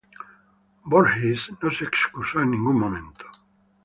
Voorhees no se excusó en ningún momento.